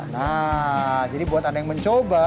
nah jadi buat anda yang mencoba